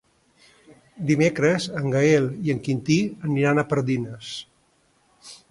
Dimecres en Gaël i en Quintí aniran a Pardines.